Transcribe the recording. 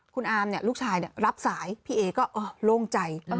คุณอามลูกชายรับสายพี่เอก็โล่งใจ